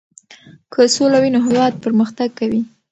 که سوله وي نو هېواد پرمختګ کوي.